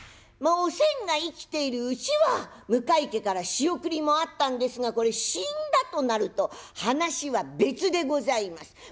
おせんが生きているうちは向井家から仕送りもあったんですがこれ死んだとなると話は別でございます。